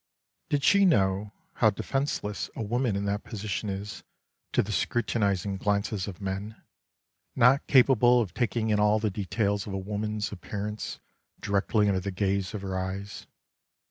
Did she know how defenceless a woman in that position is to the scrutinising glances of men, not capable of taking 7 in all the details of a woman's appearance directly under the gaze of her eyes.